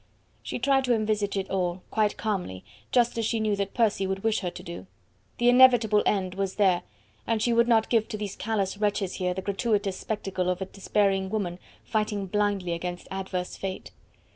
She tried to envisage it all, quite calmly, just as she knew that Percy would wish her to do. The inevitable end was there, and she would not give to these callous wretches here the gratuitous spectacle of a despairing woman fighting blindly against adverse Fate.